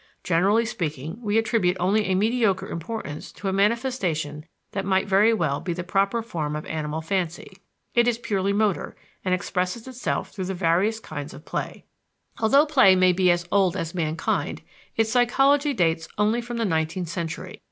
Generally speaking, we attribute only a mediocre importance to a manifestation that might very well be the proper form of animal fancy. It is purely motor, and expresses itself through the various kinds of play. Although play may be as old as mankind, its psychology dates only from the nineteenth century.